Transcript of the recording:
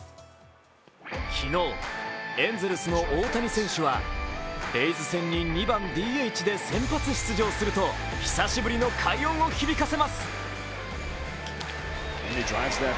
昨日、エンゼルスの大谷選手はレイズ戦に２番・ＤＨで先発出場すると久しぶりの快音を響かせます。